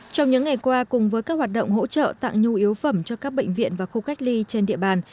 trong những ngày qua cùng với các hoạt động hỗ trợ tặng nhu yếu phẩm cho các bệnh viện và khu cách ly trên địa bàn